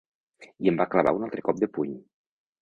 I em va clavar un altre cop de puny.